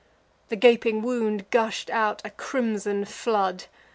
The gaping wound gush'd out a crimson flood.